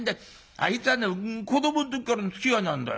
あいつはね子どもの時からのつきあいなんだよ。